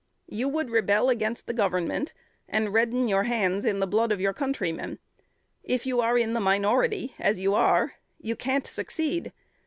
You would rebel against the Government, and redden your hands in the blood of your countrymen. If you are in the minority, as you are, you can't succeed.